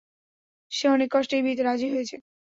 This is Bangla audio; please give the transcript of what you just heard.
সে অনেক কষ্টে এই বিয়েতে রাজি হয়েছে।